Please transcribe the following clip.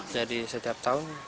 jadi setiap tahun